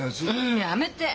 んやめて！